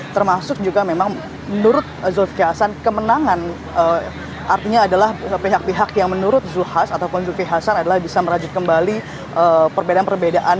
termasuk juga memang menurut zulkifli hasan kemenangan artinya adalah pihak pihak yang menurut zulkifli hasan ataupun zulkif hasan adalah bisa merajut kembali perbedaan perbedaan